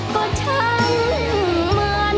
ก็ช่างมัน